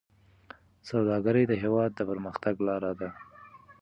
سوداګري د هېواد د پرمختګ لاره ده.